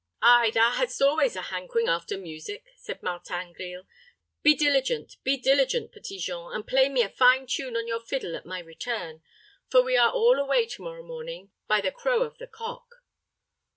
"Ay, thou had'st always a hankering after music," said Martin Grille. "Be diligent, be diligent. Petit Jean, and play me a fine tune on your fiddle at my return; for we are all away to morrow morning by the crow of the cock."